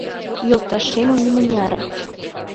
Йолташемым нимыняре.